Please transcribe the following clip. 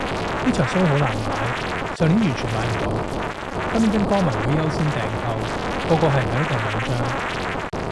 呢場騷好難買，上年完全買唔到，今年跟歌迷會優先訂購，個個係唔係都訂兩張